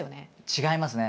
違いますね。